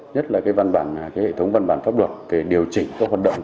nhất là cái hệ thống văn bản pháp luật để điều chỉnh các hoạt động